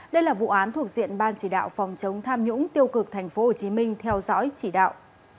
đây là vụ án thuộc diện ban chỉ đạo phòng chống tham nhũng tiêu cực tp hcm theo dõi chỉ đạo